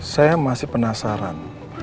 saya masih penasaran